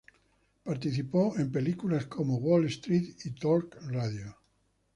Participó en filmes como "Wall Street" y "Talk Radio".